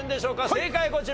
正解こちら。